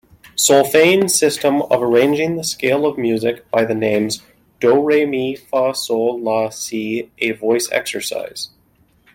Solfaing system of arranging the scale of music by the names do, re, mi, fa, sol, la, si a voice exercise.